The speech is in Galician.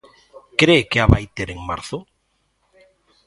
Cre que a vai ter en marzo?